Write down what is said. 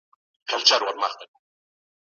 د مځکي پر سر ژوند ډېرې سختۍ او خوندونه لري.